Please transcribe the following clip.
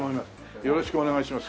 よろしくお願いします。